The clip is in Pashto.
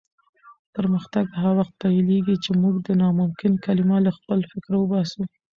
پرمختګ هغه وخت پیلېږي چې موږ د ناممکن کلمه له خپل فکره وباسو.